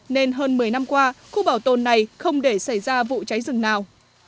nên hơn một mươi năm qua khu bảo tồn này không để xảy ra vụ cháy rừng nào